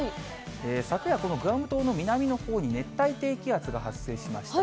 昨夜、このグアム島の南のほうに熱帯低気圧が発生しました。